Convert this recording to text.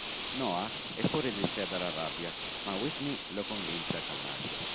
Noah è fuori di sé dalla rabbia ma Whitney lo convince a calmarsi.